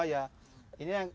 ini yang terjadi di kali berantas